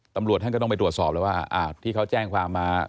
ตำรวจท่านก็ต้องไปตรวจสอบแล้วว่าที่เขาแจ้งความมา